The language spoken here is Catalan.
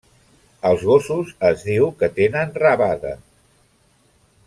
Els gossos es diu que tenen rabada.